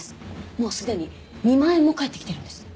もうすでに２万円も返ってきてるんです。